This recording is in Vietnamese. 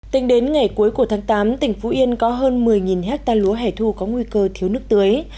tính đến ngày cuối của tháng tám tỉnh phú yên có hơn một mươi hectare lúa hẻ thu có nguy cơ thiếu nước tưới